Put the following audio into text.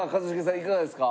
いかがですか？